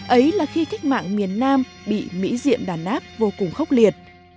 ấy là khi cách mạng miền nam bị mỹ diệm đàn áp vô cùng khốc liệt